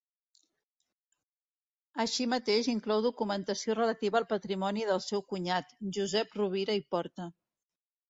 Així mateix, inclou documentació relativa al patrimoni del seu cunyat, Josep Rovira i Porta.